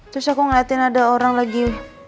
terus aku ngeliatin ada orang lagi